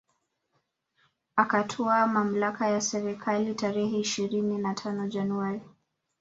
Akatwaa mamlaka ya serikali tarehe ishirini na tano Januari